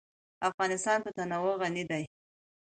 افغانستان په تنوع غني دی.